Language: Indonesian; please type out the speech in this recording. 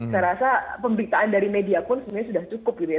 saya rasa pemberitaan dari media pun sebenarnya sudah cukup gitu ya